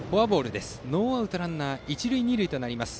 ノーアウトランナー、一塁二塁となります。